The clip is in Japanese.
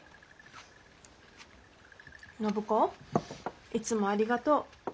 暢子いつもありがとう。